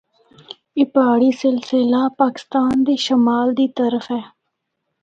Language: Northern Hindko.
اے پہاڑی سلسلہ پاکستان دے شمال دی طرف ہے۔